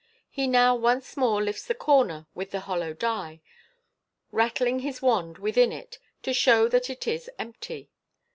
He now once more lifts the cover with the hollow die, rattling his wand within it to show that it is empty.